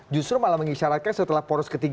justru malah mengisyaratkan setelah poros ketiga